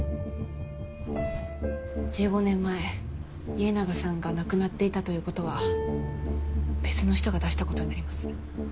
１５年前家長さんが亡くなっていたということは別の人が出したことになります。